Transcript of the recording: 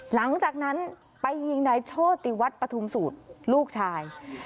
หลังจากนั้นไปยิงนายโชติวัฒน์ปฐุมสูตรลูกชาย